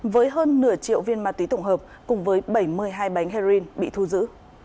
với hơn nửa triệu viên ma túy tổng hợp cùng với bảy mươi hai bánh heroin bị thu giữ